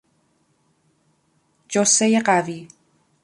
جثهی قوی